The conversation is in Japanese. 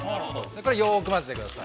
よく混ぜてください。